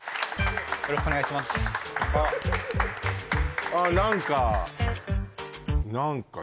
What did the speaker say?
よろしくお願いしますああ